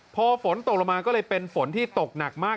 พอฝนตกลงมาก็เลยเป็นฝนที่ตกหนักมาก